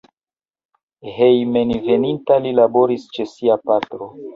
Hejmenveninta li laboris ĉe sia patro.